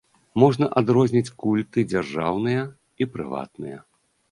Можна адрозніць культы дзяржаўныя і прыватныя.